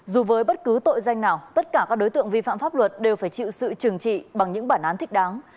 dù với bất cứ tội danh nào tất cả các đối tượng vi phạm pháp luật đều phải chịu sự trừng trị bằng những bản án thích đáng